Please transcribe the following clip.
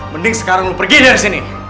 mending sekarang lo pergi dari sini